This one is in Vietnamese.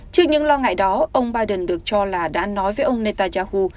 trước những lo ngại đó ông biden được cho là đã nói với ông netanyahu